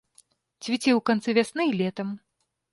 Цвіце ў канцы вясны і летам.